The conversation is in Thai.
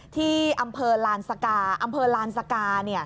ที่อำเภอลานสกาอำเภอลานสกา